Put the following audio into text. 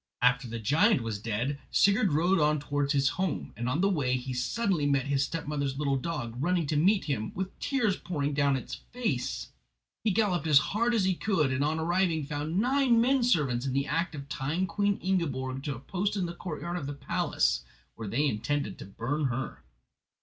After the giant was dead Sigurd rode on towards his own home, and on the way he suddenly met his stepmother's little dog, running to meet him, with tears pouring down its face. He galloped on as hard as he could, and on arriving found nine men servants in the act of tying Queen Ingiborg to a post in the courtyard of the palace, where they intended to burn her.